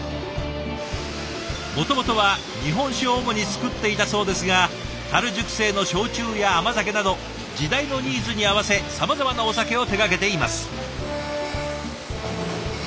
もともとは日本酒を主に作っていたそうですがたる熟成の焼酎や甘酒など時代のニーズに合わせさまざまなお酒を手がけています。